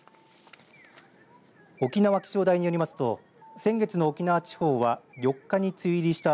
沖縄気象台によりますと先月の沖縄地方は４日に梅雨入りした